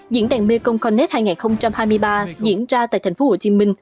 diễn đàn mê công connect hai nghìn hai mươi ba diễn ra tại thành phố hồ chí minh